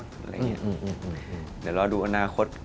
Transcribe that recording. เดี๋ยวรอดูอนาคต